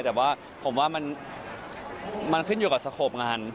แต่ว่าผมว่ามันขึ้นอยู่กับสโขปงาน